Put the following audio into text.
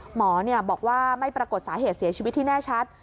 หมอบอกว่าไม่ปรากฏสาเหตุเสียชีวิตที่แน่ชัด